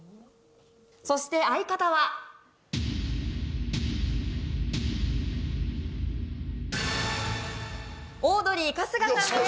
そして相方はオードリー春日さんです